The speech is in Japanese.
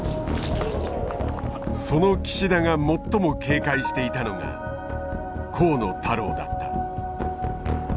その岸田が最も警戒していたのが河野太郎だった。